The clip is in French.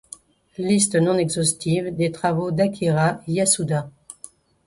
Liste non exhaustive des travaux d'Akira Yasuda.